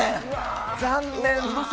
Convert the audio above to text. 残念。